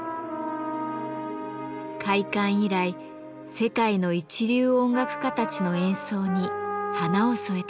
開館以来世界の一流音楽家たちの演奏に華を添えてきました。